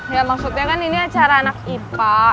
ya maksudnya kan ini acara anak ipa